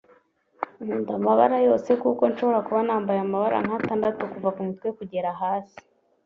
Nkunda amabara yose kuko nshobora kuba nambaye amabara nk’atandatu kuva ku mutwe kugera hasi